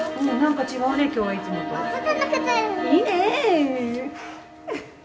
いいね！